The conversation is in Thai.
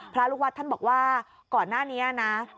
พระลูกวัดท่านบอกว่าก่อนหน้านี้นะ